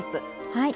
はい。